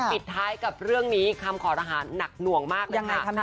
ปิดท้ายกับเรื่องนี้คำขอระหารหนักหน่วงมากเลยค่ะ